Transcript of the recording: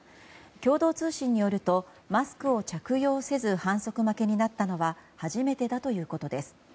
共同通信によるとマスクを着用せず反則負けになったのは初めてだということです。